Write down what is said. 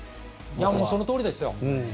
そのとおりですよ。